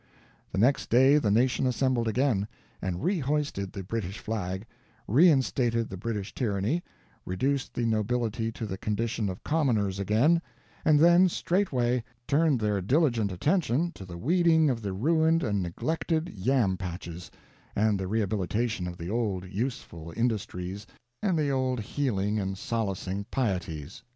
The next day the nation assembled again, and rehoisted the British flag, reinstated the British tyranny, reduced the nobility to the condition of commoners again, and then straightway turned their diligent attention to the weeding of the ruined and neglected yam patches, and the rehabilitation of the old useful industries and the old healing and solacing pieties.